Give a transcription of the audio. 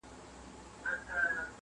کښته راغی ورته کښېنستی پر مځکه؛